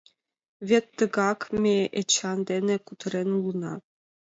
— Вет тыгак ме Эчан дене кутырен улына».